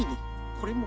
これも。